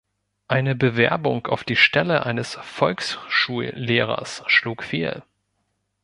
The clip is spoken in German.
Eine Bewerbung auf die Stelle eines Volksschullehrers schlug fehl.